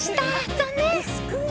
残念。